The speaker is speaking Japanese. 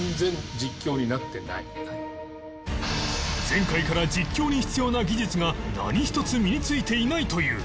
前回から実況に必要な技術が何一つ身についていないという